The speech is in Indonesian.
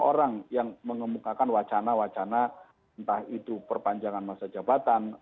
orang yang mengemukakan wacana wacana entah itu perpanjangan masa jabatan